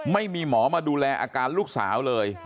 ไม่มีหมอมาดูแลอาการลูกสาวเลย